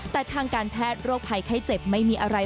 แต่ทางการแพทย์โรคภัยไข้เจ็บไม่มีอะไร